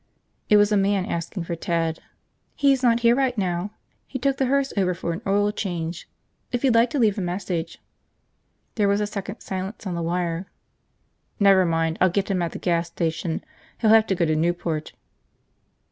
It was a man asking for Ted. "He's not here right now. He took the hearse over for an oil change. If you'd like to leave a message. ..." There was a second's silence on the wire. "Never mind, I'll get him at the gas station. He'll have to go to Newport."